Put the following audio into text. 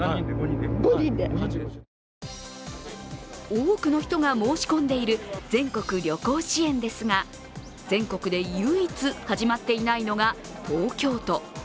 多くの人が申し込んでいる全国旅行支援ですが、全国で唯一、始まっていないのが東京都。